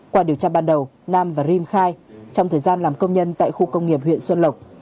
qua điều tra ban đầu nam và rim khai trong thời gian làm công nhân tại khu công nghiệp huyện xuân lộc